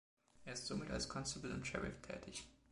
Er ist somit als Constable und Sheriff tätig.